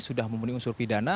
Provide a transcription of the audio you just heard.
sudah memenuhi unsur pidana